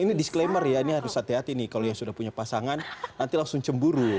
ini disclaimer ya ini harus hati hati nih kalau yang sudah punya pasangan nanti langsung cemburu